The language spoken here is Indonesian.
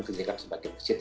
kejagaan sebagai musyid